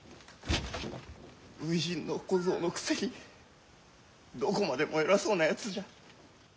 初陣の小僧のくせにどこまでも偉そうなやつじゃ。